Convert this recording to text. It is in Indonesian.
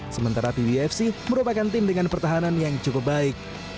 sementara pbfc merupakan tim dengan pertahanan yang cukup baik